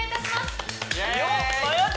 よっ！